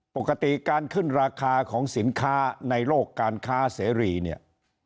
ปกติการขึ้นราคาของสินค้าในโลกการค้าเสรีเนี่ย